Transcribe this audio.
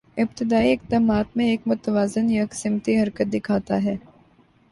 ابتدائی اقدامات میں ایک متوازن یکسمتی حرکت دکھاتا ہے